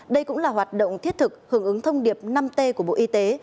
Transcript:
đây cũng là hoạt động thiết thực hưởng ứng thông điệp năm t của bộ y tế